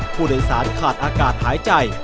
ผู้โดยสารขาดอากาศหายใจ